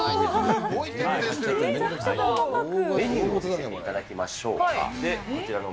メニューを見せていただきましょうか。